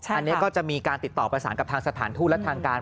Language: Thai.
อันนี้ก็จะมีการติดต่อประสานกับทางสถานทูตและทางการ